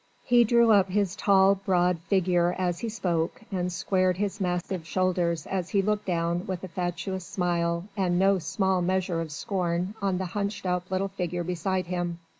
He drew up his tall, broad figure as he spoke and squared his massive shoulders as he looked down with a fatuous smile and no small measure of scorn on the hunched up little figure beside him.